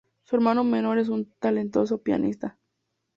Su hermano menor es un talentoso pianista.